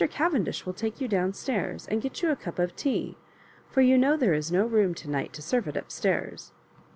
Cavendish will take you down stairs and get you a cup of tea ; for you know there is no room to night to serve it up stairs."